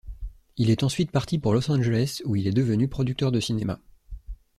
Il est ensuite parti pour Los Angeles où il est devenu producteur de cinéma.